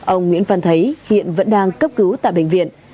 ông nguyễn văn thấy hiện vẫn đang cấp cứu tại bệnh viện